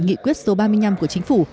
nghị quyết số ba mươi năm của chính phủ